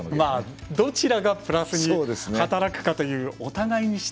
どちらがプラスに働くかという。